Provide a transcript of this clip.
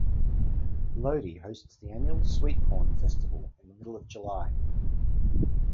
Lodi hosts the annual Sweet Corn Festival in the middle of July.